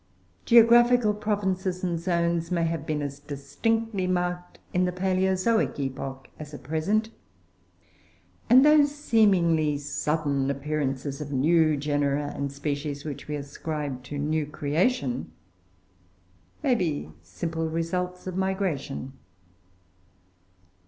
Geographical provinces and zones may have been as distinctly marked in the Palaeozoic epoch as at present, and those seemingly sudden appearances of new genera and species, which we ascribe to new creation, may be simple results of migration.